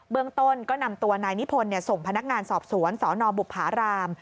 เมืองต้นก็นำตัวนายนิพนธ์ส่งพนักงานสอบสวนสนบุภาราม